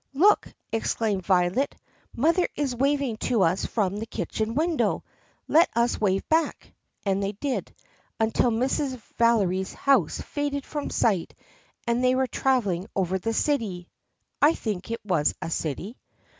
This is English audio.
"Look!" exclaimed Violet, "mother is waving to us from the kitchen window. Let us wave back!" And they did, until Mrs. Valery's house faded from sight and they were traveling over the city. (I think it was a city.)